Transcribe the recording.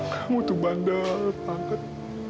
kamu tuh bandar banget